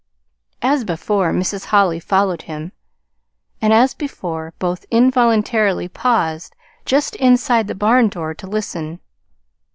As before, Mrs. Holly followed him, and as before, both involuntarily paused just inside the barn door to listen.